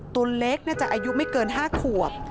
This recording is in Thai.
ตัวเล็กน่าจะอายุไม่เกิน๕ขวบ